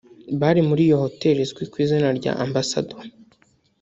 bari muri iyo hoteli izwi ku izina rya Ambassador